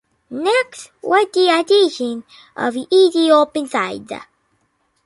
Next was the addition of Easy-Open sides.